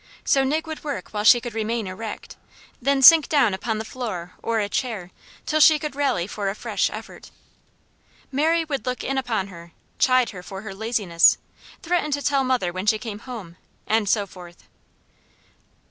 So Nig would work while she could remain erect, then sink down upon the floor, or a chair, till she could rally for a fresh effort. Mary would look in upon her, chide her for her laziness, threaten to tell mother when she came home, and so forth.